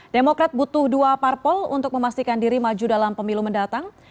demokrat butuh dua parpol untuk memastikan diri maju dalam pemilu mendatang